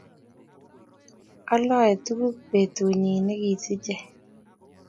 Aoole tuguk betunyi negisiche